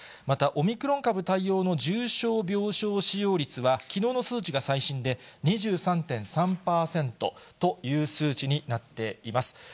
また、オミクロン株対応の重症病床使用率はきのうの数値が最新で、２３．３％という数値になっています。